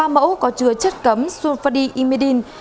ba mẫu có chứa chất cấm sulfadyl imine